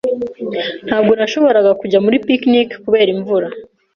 Ntabwo nashoboraga kujya muri picnic kubera imvura.